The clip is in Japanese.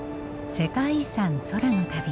「世界遺産空の旅」。